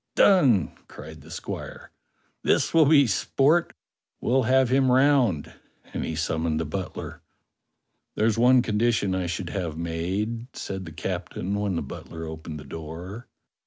"Done!" cried the squire. "This will be sport; we'll have him round," and he summoned the butler. "There's one condition I should have made," said the captain when the butler opened the door.